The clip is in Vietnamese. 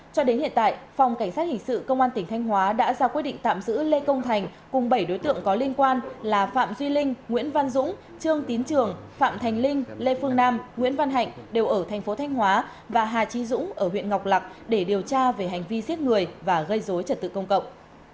cho đến hiện tại phòng cảnh sát hình sự công an tỉnh thanh hóa đã ra quyết định tạm giữ lê công thành cùng bảy đối tượng có liên quan là phạm duy linh nguyễn văn dũng trương tín trường phạm thành linh lê phương nam nguyễn văn hạnh đều ở thành phố thanh hóa và hà trí dũng ở huyện ngọc lạc để điều tra về hành vi giết người và gây dối trật tự công cộng